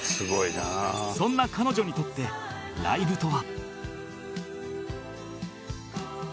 そんな彼女にとってライブとは？